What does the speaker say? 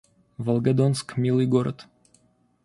Волгодонск — милый город